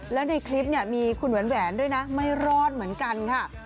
แล้วในคลิปเนี่ยมีคุณแหวนด้วยนะไม่รอดเหมือนกันค่ะ